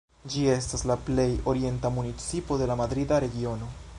Ĝi estas la plej orienta municipo de la Madrida Regiono.